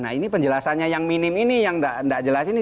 nah ini penjelasannya yang minim ini yang tidak jelas ini